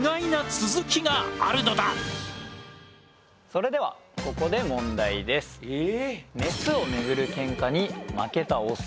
それではここで問題です。え。